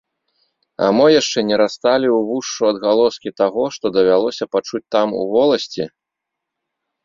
А мо яшчэ не расталі ўвушшу адгалоскі таго, што давялося пачуць там, у воласці?